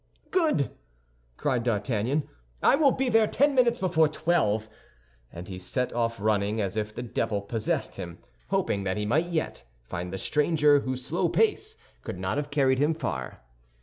"Good!" cried D'Artagnan, "I will be there ten minutes before twelve." And he set off running as if the devil possessed him, hoping that he might yet find the stranger, whose slow pace could not have carried him far.